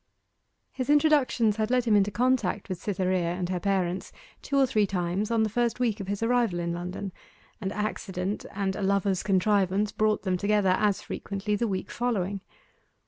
His introductions had led him into contact with Cytherea and her parents two or three times on the first week of his arrival in London, and accident and a lover's contrivance brought them together as frequently the week following.